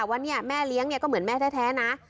ว่าเนี่ยแม่เลี้ยงเนี่ยก็เหมือนแม่แท้นะ